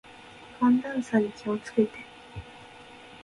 寒暖差に気を付けて。